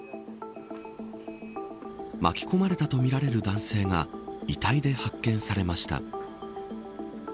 巻き込まれたとみられる男性が遺体で発見されました。